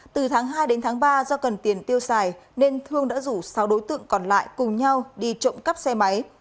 từ tháng hai đến tháng ba do cần tiền tiêu xài nên thương đã rủ sáu đối tượng còn lại cùng nhau đi trộm cắp xe máy